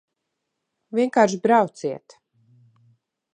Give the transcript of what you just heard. Vienkārši brauciet!